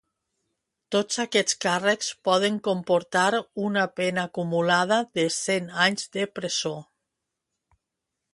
Tots aquests càrrecs poden comportar una pena acumulada de cent anys de presó.